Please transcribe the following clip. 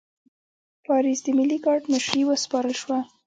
پاریس د ملي ګارډ مشري وسپارل شوه.